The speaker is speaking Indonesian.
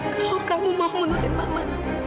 kalau kamu mau nurin mama